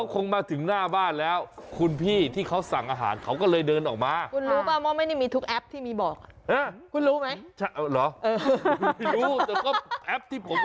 คือบางแอปก็ไม่ได้บอกไง